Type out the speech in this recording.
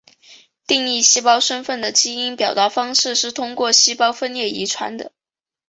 定义细胞身份的基因表达模式是通过细胞分裂遗传的。